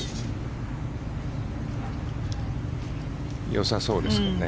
よさそうですかね。